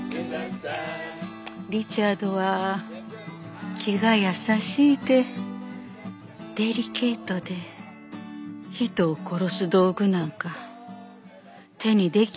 リチャードは気が優しいてデリケートで人を殺す道具なんか手にできひん若者やった。